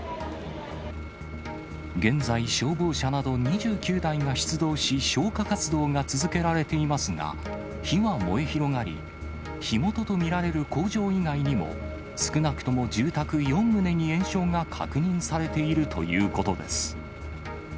現在、消防車など２９台が出動し、消火活動が続けられていますが、火が燃え広がり、火元と見られる工場以外にも、少なくとも住宅４棟に延焼が確認されているということです。